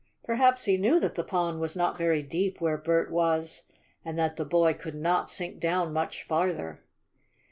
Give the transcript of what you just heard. Perhaps he knew that the pond was not very deep where Bert was, and that the boy could not sink down much farther.